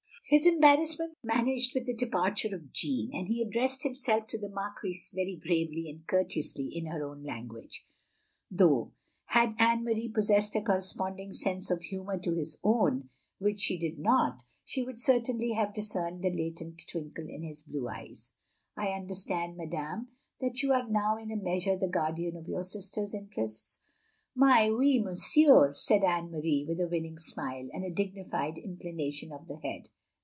His embarrassment vanished with the departure of Jeanne, and he addressed himself to the Mar quise very gravely and courteously in h^r own language; though had Anne Marie possessed a corresponding sense of humour to his own (which OP GROSVENOR SQUARE 355 she did not), she would certainly have discerned the latent twinkle in his blue eyes. " I understand, madame, that you are now in a measure the guardian of your sister's interests?" "Mais oui, monsieur," said Anne Marie, with a winning smile, and a dignified inclination of the head.